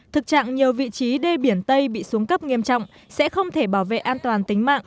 thực trạng nhiều vị trí đê biển tây bị xuống cấp nghiêm trọng sẽ không thể bảo vệ an toàn tính mạng